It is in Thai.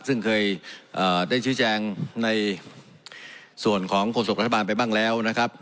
ซึ่งเคยได้ชี้แจงในส่วนของโฆษกรัฐบาลไปบ้างแล้วนะครับ